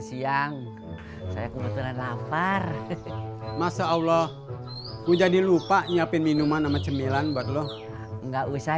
siang saya kebetulan lapar masya allah menjadi lupa nyiapin minuman sama cemilan buat lo enggak usah